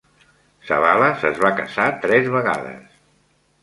Savalas es va casar tres vegades.